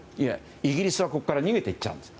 イギリスは、ここから逃げていっちゃうんです。